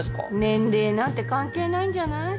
年齢なんて関係ないんじゃない？